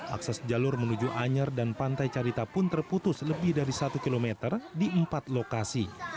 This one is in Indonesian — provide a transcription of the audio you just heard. akses jalur menuju anyer dan pantai carita pun terputus lebih dari satu km di empat lokasi